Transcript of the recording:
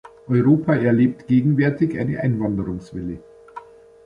Europa erlebt gegenwärtig eine Einwanderungswelle.